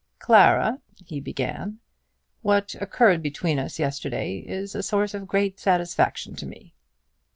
"Clara," he began, "what occurred between us yesterday is a source of great satisfaction to me."